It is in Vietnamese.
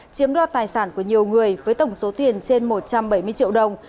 chiếm đoạt tài sản của nhiều người với tổng số tiền trên một trăm bảy mươi triệu đồng